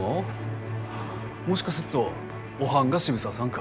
もしかすっとおはんが渋沢さんか？